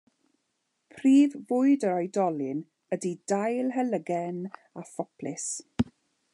Prif fwyd yr oedolyn ydy dail helygen a phoplys.